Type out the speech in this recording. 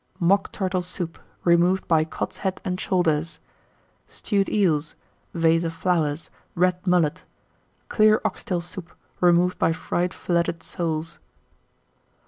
_ Mock Turtle Soup, removed by Cod's Head and Shoulders. Stewed Eels. Vase of Red Mullet. Flowers. Clear Oxtail Soup, removed by Fried Filleted Soles.